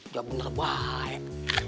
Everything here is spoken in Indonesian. gak bener baik